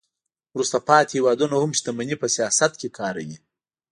وروسته پاتې هیوادونه هم شتمني په سیاست کې کاروي